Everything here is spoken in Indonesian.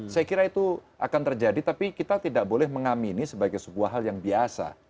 saya kira itu akan terjadi tapi kita tidak boleh mengamini sebagai sebuah hal yang biasa